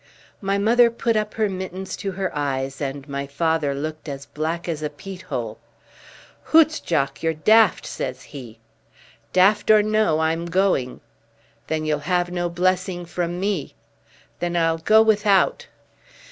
My mother put up her mittens to her eyes, and my father looked as black as a peat hole. "Hoots, Jock, you're daft," says he. "Daft or no, I'm going." "Then you'll have no blessing from me." "Then I'll go without."